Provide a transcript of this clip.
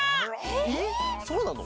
えっそうなの？